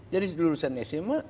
jadi seluruh sma